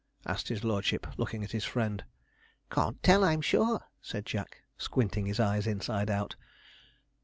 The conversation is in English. asked his lordship, looking at his friend. 'Can't tell, I'm sure,' said Jack, squinting his eyes inside out.